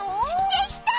できた！